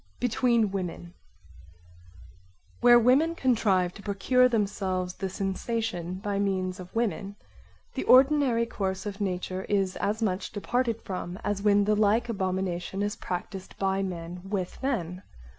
Between women Where women contrive to procure themselves the sensation by means of women, the ordinary course of nature is as much departed from as when the like abomination is practised by men with men.